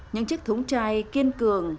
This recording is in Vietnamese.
những chiếc thống chai kiên cường